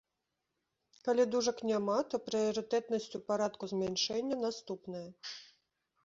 Калі дужак няма, то прыярытэтнасць, у парадку змяншэння, наступная.